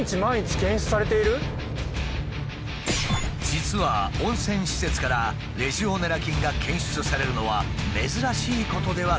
実は温泉施設からレジオネラ菌が検出されるのは珍しいことではないという。